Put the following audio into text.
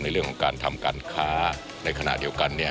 เรื่องของการทำการค้าในขณะเดียวกัน